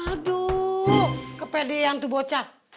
aduh kepedean tuh bocah